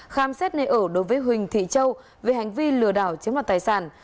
khám xét nơi ở đối với huỳnh thị châu về hành vi lừa đảo chiếm đoạt tài sản